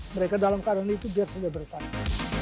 mereka dalam keadaan itu biar sudah bertahan